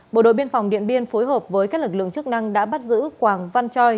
bộ đội biên phòng điện biên phối hợp với các lực lượng chức năng đã bắt giữ quảng văn choi